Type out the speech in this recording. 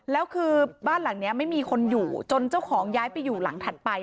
แล้วคือบ้านหลังนี้ไม่มีคนอยู่จนเจ้าของย้ายไปอยู่หลังถัดไป